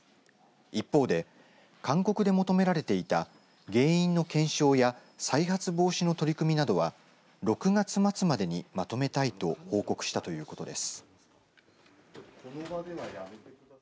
一方で、勧告で求められていた原因の検証や再発防止の取り組みなどは６月末までにまとめたいと報告したということです。